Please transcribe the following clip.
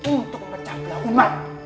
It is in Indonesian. untuk mercablah umat